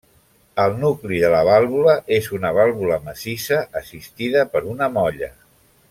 El nucli de la vàlvula és una vàlvula massissa assistida per una molla.